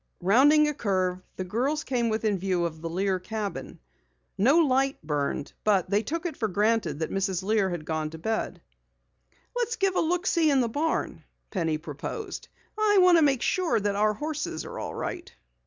Rounding a curve, the girls came within view of the Lear cabin. No light burned, but they took it for granted Mrs. Lear had gone to bed. "Let's give a look see in the barn," Penny proposed. "I want to make sure that our horses are all right."